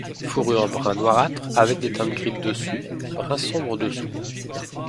Fourrure brun noirâtre avec des teintes grises dessus, brun sombre dessous.